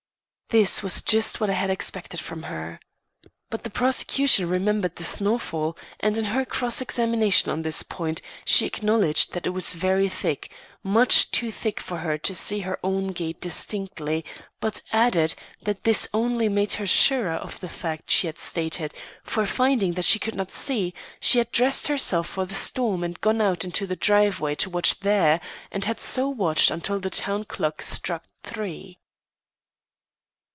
This was just what I had expected from her. But the prosecution remembered the snowfall, and in her cross examination on this point, she acknowledged that it was very thick, much too thick for her to see her own gate distinctly; but added, that this only made her surer of the fact she had stated; for finding that she could not see, she had dressed herself for the storm and gone out into the driveway to watch there, and had so watched until the town clock struck three.